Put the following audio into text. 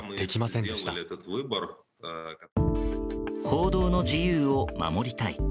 報道の自由を守りたい。